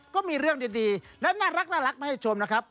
ก็มีเรื่องดีและน่ารักมาให้ชมนะครับ